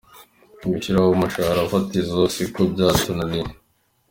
Gushyiraho umushahara fatizo si uko byatunaniye.